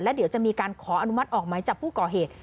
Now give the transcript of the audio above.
เดี๋ยวจะมีการขออนุมัติออกหมายจับผู้ก่อเหตุ